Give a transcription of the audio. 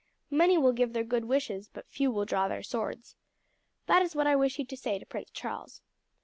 Many will give their good wishes, but few will draw their swords. That is what I wish you to say to Prince Charles.